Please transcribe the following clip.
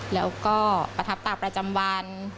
แล้วก็ประทับตาประจำวัน